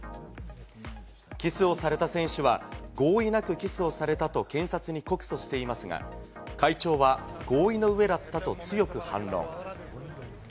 キスをされた選手は合意なくキスをされたと警察に告訴していますが、会長は合意の上だったと強く反論。